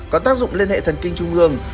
có tác dụng lên hệ thần kinh trung ương